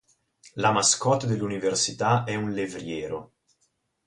La mascotte dell'Università è un levriero.